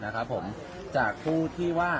ผมเป็นโจมตี